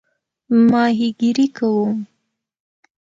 ماهیګیري کوم؟